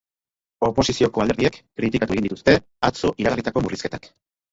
Oposizioko alderdiek kritikatu egin dituzte atzo iragarritako murrizketak.